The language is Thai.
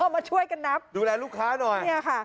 มาช่วยกันนับดูแลลูกค้าหน่อยเนี่ยค่ะ